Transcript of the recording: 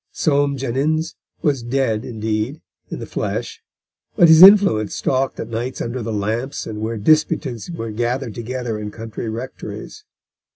Soame Jenyns was dead, indeed, in the flesh, but his influence stalked at nights under the lamps and where disputants were gathered together in country rectories.